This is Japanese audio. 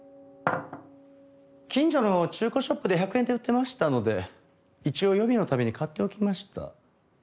近所の中古ショップで１００円で売ってましたので一応予備のために買っておきました。